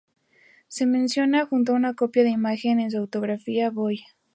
Se menciona, junto a una copia de la imagen, en su autobiografía 'Boy'.